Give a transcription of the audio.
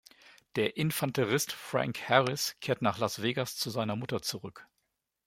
Der Infanterist Frank Harris kehrt nach Las Vegas zu seiner Mutter zurück.